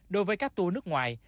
đối với các tour nước ngoài